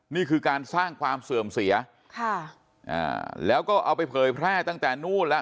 นี่คือการสร้างความเสื่อมเสียค่ะอ่าแล้วก็เอาไปเผยแพร่ตั้งแต่นู่นแล้ว